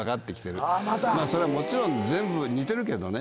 それはもちろん全部似てるけどね。